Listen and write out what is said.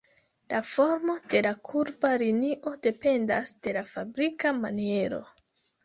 La formo de la kurba linio dependas de la fabrika maniero.